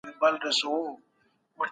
منطقي تسلسل ستاسو لیکنه باوري کوي.